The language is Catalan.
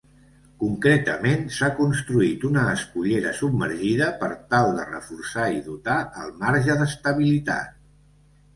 Concretament s’ha construït una escullera submergida per tal de reforçar i dotar el marge d’estabilitat.